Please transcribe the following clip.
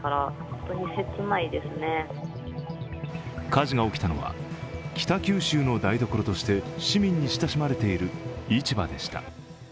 火事が起きたのは北九州の台所として市民に親しまれている市場でした。